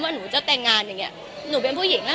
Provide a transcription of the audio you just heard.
หนูจะแต่งงานอย่างเงี้ยหนูเป็นผู้หญิงอ่ะ